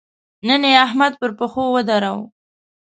نن يې احمد پر پښو ودراوو.